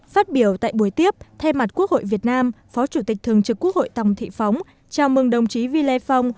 phát biểu tại buổi tiếp thay mặt quốc hội việt nam phó chủ tịch thường trực quốc hội tòng thị phóng chào mừng đồng chí vy lê phong